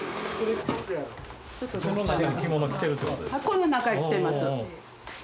この中に着てます。